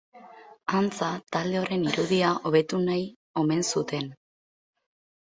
Antza, talde horren irudia hobetu nahi omen zuten.